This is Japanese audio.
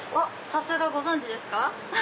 さすがご存じですか。